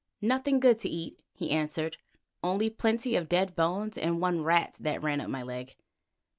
"Nothing good to eat," he answered, "only plenty of dead bones and one rat that ran up my leg."